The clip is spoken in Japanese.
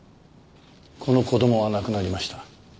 この子供は亡くなりました。